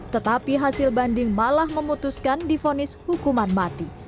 tetapi hasil banding malah memutuskan difonis hukuman mati